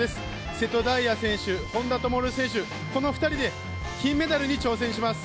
瀬戸大也選手、本多灯選手、この２人で金メダルに挑戦します。